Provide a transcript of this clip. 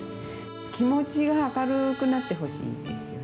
気持ちが明るくなってほしいですね。